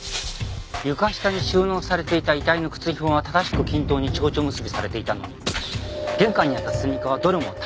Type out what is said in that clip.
床下に収納されていた遺体の靴ひもは正しく均等に蝶々結びされていたのに玄関にあったスニーカーはどれも縦結びされていた。